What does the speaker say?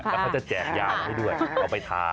แล้วเขาจะแจกยางให้ด้วยเอาไปทา